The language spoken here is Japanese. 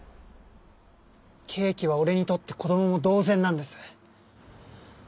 ケーキは俺にとって子供も同然なんです。